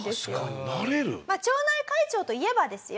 町内会長といえばですよ